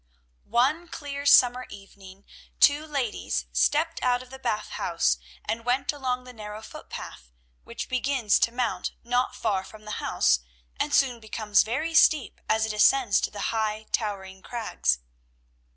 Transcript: One clear summer evening two ladies stepped out of the Bath House and went along the narrow footpath, which begins to mount not far from the house and soon becomes very steep as it ascends to the high, towering crags.